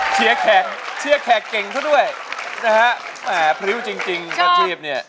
เชียร์แขกเชียร์แขกเก่งเขาด้วยนะฮะแหมพริ้วจริงจริงอาชีพเนี่ย